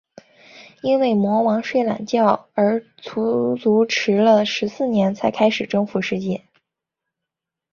但因为魔王睡懒觉而足足迟了十四年才开始征服世界。